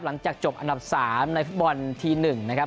หลังจากจบอันดับสามในฟุตบอลทีหนึ่งนะครับ